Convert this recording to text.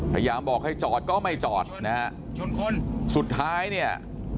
พยายามบอกให้จอดก็ไม่จอดนะฮะสุดท้ายเนี่ย